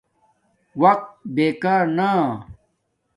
وقت بے کار نا